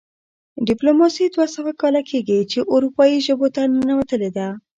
ډیپلوماسي دوه سوه کاله کیږي چې اروپايي ژبو ته ننوتلې ده